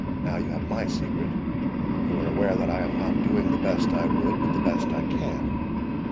Now you have my secret. You are aware that I am not doing the best I would, but the best I can.